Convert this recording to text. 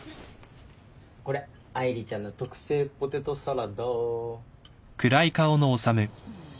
これ愛梨ちゃんの特製ポテトサラダ。